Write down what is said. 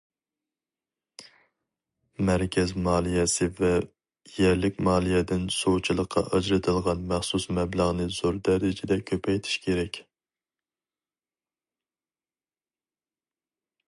مەركەز مالىيەسى ۋە يەرلىك مالىيەدىن سۇچىلىققا ئاجرىتىلىدىغان مەخسۇس مەبلەغنى زور دەرىجىدە كۆپەيتىش كېرەك.